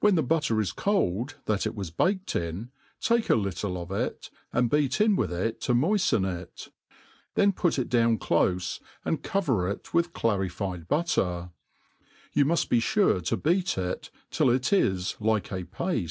When the butter is cold that it was baked in, take a little of it, and beat in with it to moiflen it { th^en put it down clqie, and cpver it, wiih clarified butter* . Vou miift be fure to, beat it till it is like a paile.